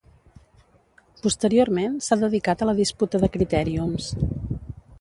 Posteriorment s'ha dedicat a la disputa de critèriums.